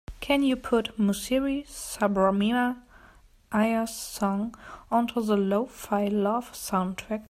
Can you put Musiri Subramania Iyer's song onto the lo-fi love soundtrack?